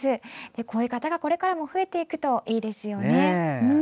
こういう方がこれからも増えていくといいですよね。